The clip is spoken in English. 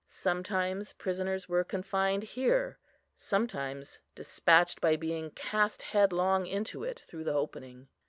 Sometimes prisoners were confined here, sometimes despatched by being cast headlong into it through the opening.